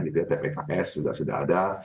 jadi tpks juga sudah ada